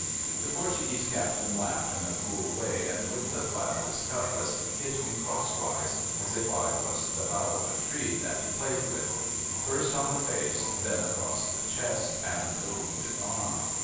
The Portuguese Cajjlain laughed in a cool way, and with the Hat of his cutlass, hit me crosswise, as if I was the bough of a tree that he played with : first on the face, and then across the chest and the wounded arm.